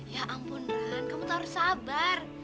ya ampun ran kamu tuh harus sabar